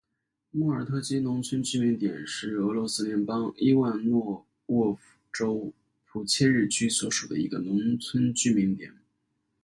莫尔特基农村居民点是俄罗斯联邦伊万诺沃州普切日区所属的一个农村居民点。